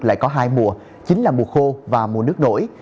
lại có hai mùa chính là mùa khô và mùa nước nổi